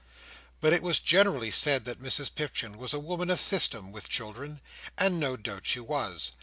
But it was generally said that Mrs Pipchin was a woman of system with children; and no doubt she was.